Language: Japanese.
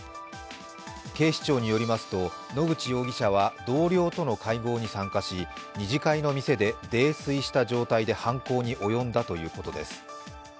警視庁によりますと野口容疑者は同僚との会合に参加し二次会の店で泥酔した状態で犯行に及んだということです。